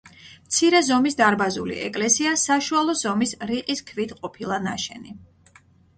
მცირე ზომის დარბაზული ეკლესია საშუალო ზომის რიყის ქვით ყოფილა ნაშენი.